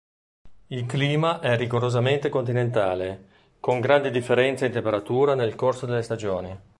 Il clima è rigorosamente continentale, con grandi differenze di temperatura nel corso delle stagioni.